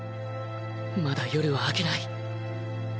まだ夜は明けない